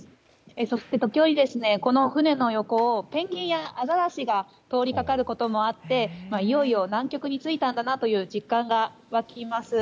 そして、時折この船の横をペンギンやアザラシが通りかかることもあっていよいよ南極に着いたんだなという実感が湧きます。